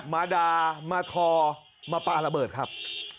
มาด่ามาทอมาปลาระเบิดครับ